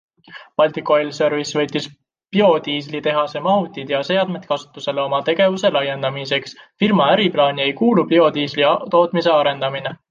Baltic Oil Service võttis biodiislitehase mahutid ja seadmed kasutusele oma tegevuse laiendamiseks, firma äriplaani ei kuulu biodiisli tootmise arendamine.